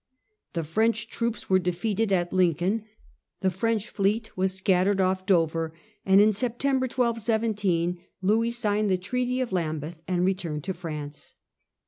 The French troops and death .^ of John, were defeated at Lincoln, the French fleet was scattered off Dover, and in September 1217 Louis signed the treaty of Lambeth and returned to P'rance.